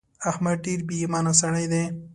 احمد ډېر بې ايمانه سړی دی.